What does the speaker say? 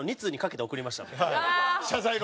謝罪の？